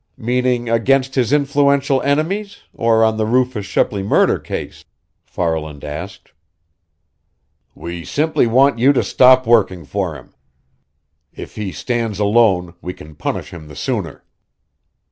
"Meaning against his influential enemies, or on the Rufus Shepley murder case?" Farland asked. "We simply want you to stop working for him. If he stands alone, we can punish him the sooner."